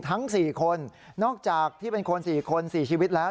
ทั้ง๔คนนอกจากที่เป็นคน๔คน๔ชีวิตแล้ว